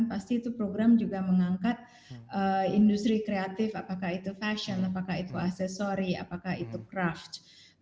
pasti itu program juga mengangkat industri kreatif apakah itu fashion apakah itu aksesori apakah itu craft